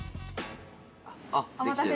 あっできてる。